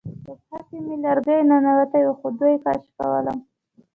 په پښه کې مې لرګی ننوتی و خو دوی کش کولم